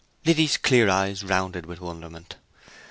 Liddy's clear eyes rounded with wonderment.